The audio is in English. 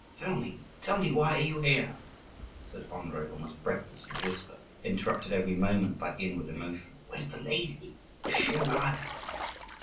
"Tell me, tell me, why are you here?" said Andrii almost breathlessly, in a whisper, interrupted every moment by inward emotion. "Where is the lady? is she alive?"